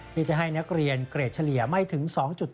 ที่จะให้นักเรียนเกรดเฉลี่ยไม่ถึง๒๗